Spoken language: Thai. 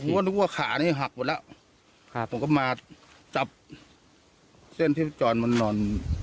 ว่านึกว่าขานี้หักหมดแล้วครับผมก็มาจับเส้นที่พี่จรมันนอน